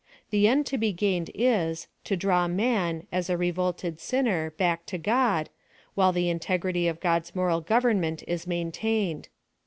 The end to be gained is, to draw man, as a revolted sinner, back to God, while the in tegrity of God's moral goverment is maintained.